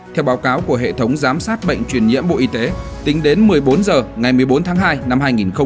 theo báo cáo của hệ thống giám sát bệnh truyền nhiễm bộ y tế tính đến một mươi bốn h ngày một mươi bốn tháng hai năm hai nghìn hai mươi